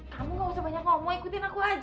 kamu gak usah banyak ngomong ikutin aku aja